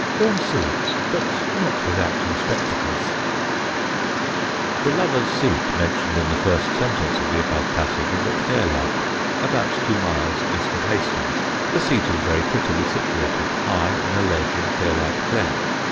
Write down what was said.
Go and see, but not without your spectacles." [Sidenote: THE LOVER'S SEAT] The Lover's Seat, mentioned in the first sentence of the above passage, is at Fairlight, about two miles east of Hastings. The seat is very prettily situated high in a ledge in Fairlight Glen.